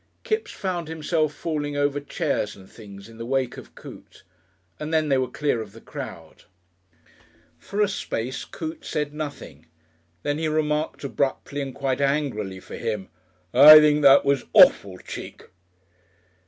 Kipps found himself falling over chairs and things in the wake of Coote, and then they were clear of the crowd. For a space Coote said nothing; then he remarked abruptly and quite angrily for him, "I think that was awful Cheek!"